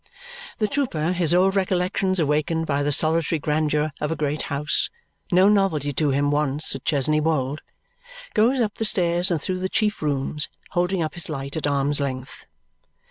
The trooper, his old recollections awakened by the solitary grandeur of a great house no novelty to him once at Chesney Wold goes up the stairs and through the chief rooms, holding up his light at arm's length.